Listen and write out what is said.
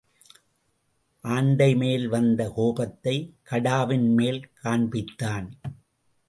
ஆண்டைமேல் வந்த கோபத்தைக் கடாவின்மேல் காண்பித்தான்.